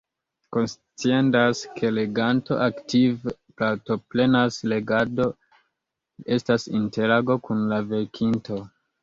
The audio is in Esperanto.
Konsciendas, ke leganto aktive partoprenas: legado estas interago kun la verkinto.